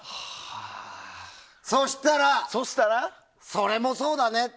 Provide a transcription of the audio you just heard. そしたら、それもそうだねと。